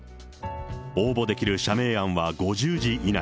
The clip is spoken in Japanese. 応募できる社名案は５０字以内。